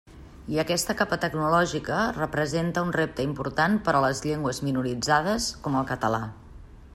I aquesta capa tecnològica representa un repte important per a les llengües minoritzades, com el català.